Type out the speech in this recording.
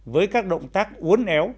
với các động tác uốn éo